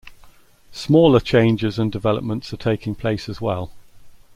Smaller changes and developments are taking place as well.